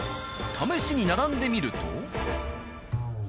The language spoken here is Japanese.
試しに並んでみると。